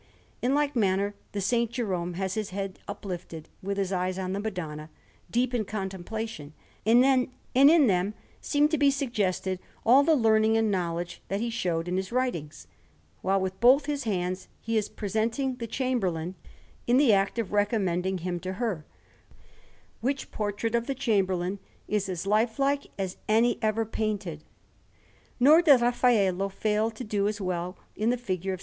In like manner, the S. Jerome has his head uplifted with his eyes on the Madonna, deep in contemplation; and in them seem to be suggested all the learning and knowledge that he showed in his writings, while with both his hands he is presenting the Chamberlain, in the act of recommending him to her; which portrait of the Chamberlain is as lifelike as any ever painted. Nor did Raffaello fail to do as well in the figure of S.